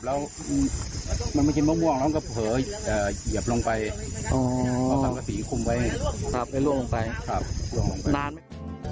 แล้วมันไม่กินมะม่วงน้องก็เผลอเหยียบลงไปเอาสังกษีคุมไว้ล่วงลงไปนานไหม